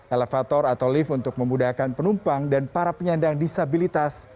elevator atau lift untuk memudahkan penumpang dan para penyandang disabilitas